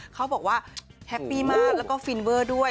เขาบอกว่าแฮปปี้มากแล้วก็ฟินเวอร์ด้วย